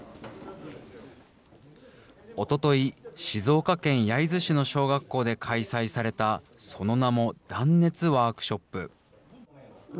おととい、静岡県焼津市の小学校で開催された、その名も断熱ワークショップ。